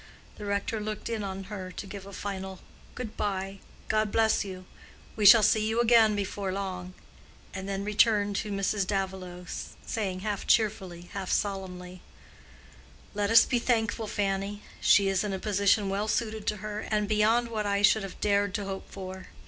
The rector looked in on her to give a final "Good bye; God bless you; we shall see you again before long," and then returned to Mrs. Davilow, saying half cheerfully, half solemnly, "Let us be thankful, Fanny. She is in a position well suited to her, and beyond what I should have dared to hope for.